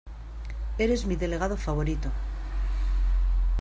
Eres mi delegado favorito.